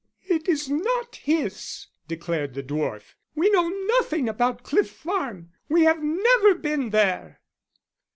"It is not his," declared the dwarf. "We know nothing about Cliff Farm we have never been there."